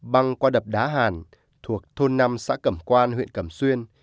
băng qua đập đá hàn thuộc thôn năm xã cẩm quan huyện cẩm xuyên